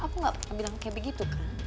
aku gak pernah bilang kayak begitu kan